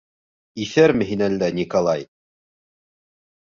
— Иҫәрме һин әллә, Николай?